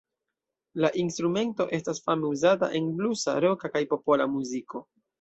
La instrumento estas fame uzata en blusa, roka, kaj popola muziko.